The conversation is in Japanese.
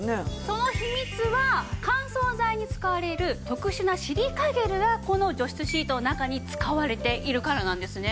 その秘密は乾燥剤に使われる特殊なシリカゲルがこの除湿シートの中に使われているからなんですね。